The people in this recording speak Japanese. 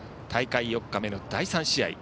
大会４日目の第３試合。